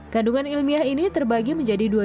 kandungan ilmiah ini terbagi menjadi dua mg per liter